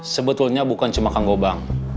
sebetulnya bukan cuma kang gobang